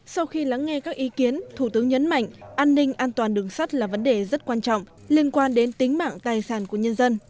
sau khi lắng nghe các ý kiến thủ tướng nhấn mạnh an ninh an toàn đường sắt là vấn đề rất quan trọng liên quan đến tính mạng tài sản của nhân dân